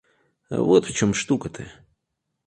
Вот в чем штука-то.